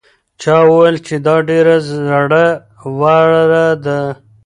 چا وویل چې دا ډېره زړه وره ده.